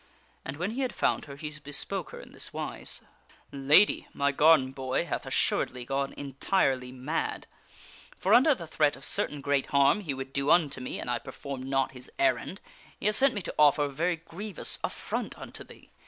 And when he had found her, he bespoke her in this wise :" Lady, my garden boy hath assuredly gone entirely mad. For, under the threat of certain great harm he would do unto me an I performed not his errand, he hath sent me to offer a very grievous affront^ unto thee.